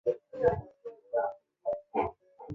生于康熙十一年。